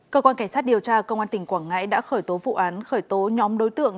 cơ quan cảnh sát điều tra công an tỉnh quảng ngãi đã khởi tố vụ án khởi tố nhóm đối tượng